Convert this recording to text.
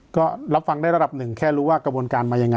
ก็รับฟังได้ระดับหนึ่งแค่รู้ว่ากระบวนการมายังไง